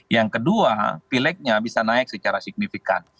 yang kedua pilegnya bisa naik secara signifikan